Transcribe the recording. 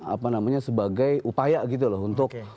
apa namanya sebagai upaya gitu loh untuk